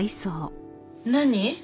何？